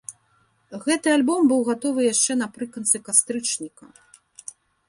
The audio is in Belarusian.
Гэты альбом быў гатовы яшчэ напрыканцы кастрычніка.